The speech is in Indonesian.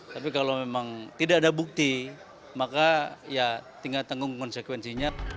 tapi kalau memang tidak ada bukti maka ya tinggal tanggung konsekuensinya